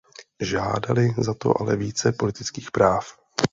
Žádali za to ale více politických práv.